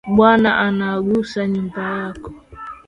Bwana anagusa nyumba yako